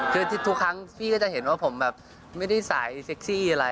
คือทุกครั้งพี่ก็จะเห็นว่าผมแบบไม่ได้สายเซ็กซี่อะไร